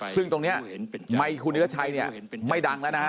ซึ่งตรงนี้ไมค์คุณเทือชัยไม่ดังแล้วนะ